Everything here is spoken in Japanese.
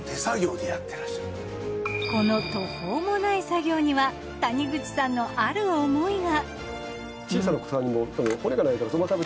この途方もない作業には谷口さんのある思いが。